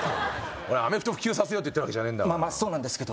俺アメフト普及させようって言ってるわけじゃねえんだからそうなんですけど